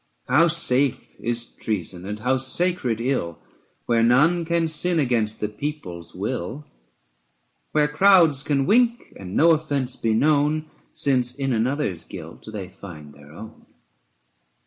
How safe is treason and how sacred ill, Where none can sin against the people's will, Where crowds can wink and no offence be known, Since in another's guilt they find their own!